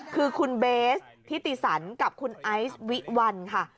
คือคุณเบสทิติสันกับคุณไอซ์วิวัลค่ะ